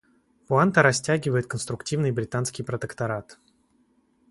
Пуанта растягивает конструктивный британский протекторат.